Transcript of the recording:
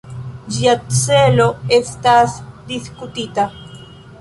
Ĝia celo estas diskutita.